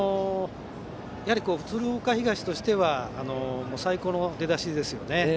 やはり鶴岡東としては最高の出だしですよね。